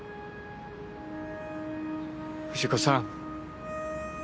藤子さん。